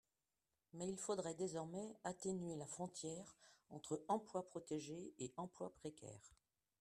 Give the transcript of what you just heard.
Mais il faudrait désormais atténuer la frontière entre emplois protégés et emplois précaires.